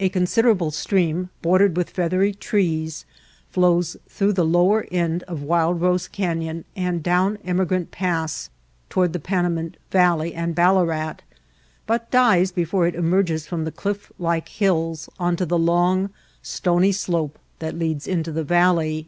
A considerable stream, bordered with feathery trees, flows through the lower end of Wild Rose Canyon and down Emigrant Pass toward the Panamint Valley and Ballarat, but dies before it emerges from the cliff like hills onto the long, stony slope that leads into the valley.